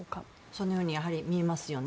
そのように見えますよね。